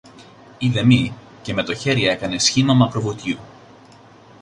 ειδεμή, και με το χέρι έκανε σχήμα μακροβουτιού